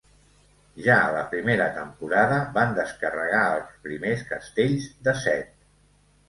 Ja a la primera temporada van descarregar els primers castells de set.